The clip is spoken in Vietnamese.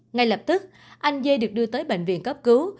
ngay lập tức anh dê được đưa tới bệnh viện cấp cứu